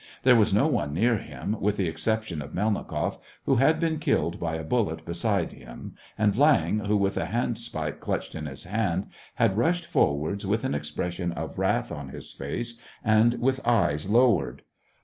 There was no one near him, with the exception of Melnikoff, who had been killed by a bullet beside him, and Viang, who, with a handspike clutched in his hand, had rushed forwards, with an expression of wrath on his face, and with eyes lowered.